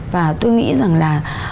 và tôi nghĩ rằng là